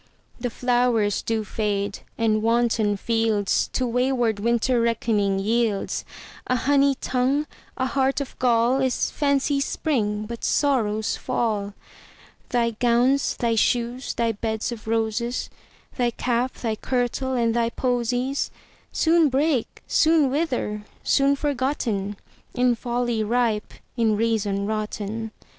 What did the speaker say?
The flowers do fade, and wanton fieldsTo wayward Winter reckoning yields:A honey tongue, a heart of gall, Is fancy's spring, but sorrow's fall. Thy gowns, thy shoes, thy beds of roses, Thy cap, thy kirtle, and thy posies, Soon break, soon wither—soon forgotten, In folly ripe, in reason rotten.